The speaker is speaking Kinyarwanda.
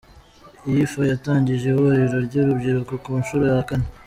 Iyefa yatangije ihuriro ry’urubyiruko ku nshuro ya kane